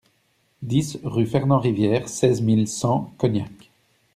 dix rue Fernand Rivière, seize mille cent Cognac